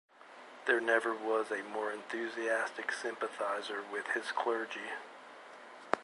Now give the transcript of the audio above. There never was a more enthusiastic sympathizer with his clergy.